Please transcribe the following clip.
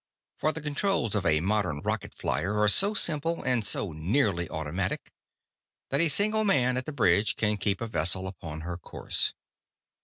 For the controls of a modern rocket flier are so simple and so nearly automatic that a single man at the bridge can keep a vessel upon her course.